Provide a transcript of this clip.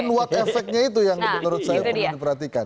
anwar efeknya itu yang menurut saya perlu diperhatikan